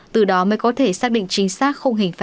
từ đó mới có thể xác định chính xác